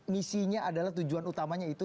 misinya adalah tujuan utamanya itu